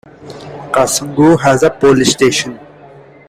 Kasungu has a police station.